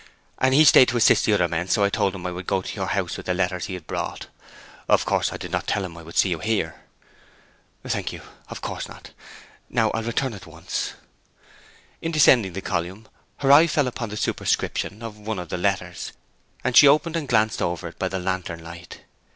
As he stayed to assist the other men I told him I would go on to your house with the letters he had brought. Of course I did not tell him I should see you here.' 'Thank you. Of course not. Now I'll return at once.' In descending the column her eye fell upon the superscription of one of the letters, and she opened and glanced over it by the lantern light.